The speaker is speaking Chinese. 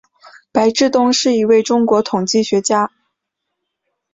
白志东是一位中国统计学家。